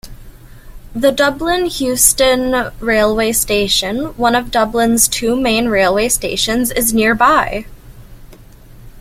The Dublin Heuston railway station, one of Dublin's two main railway stations, is nearby.